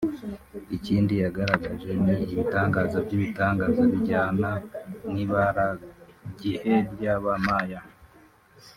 Ikindi yagaragaje ni ibitangaza by’ibitangaza bijyana n’ibaragihe ry’Aba-Maya